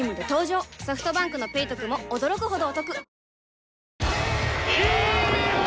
ソフトバンクの「ペイトク」も驚くほどおトク